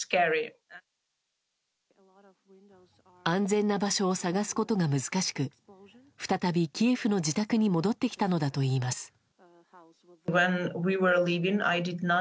安全な場所を探すことが難しく再びキエフの自宅に戻ってきたのだといいます。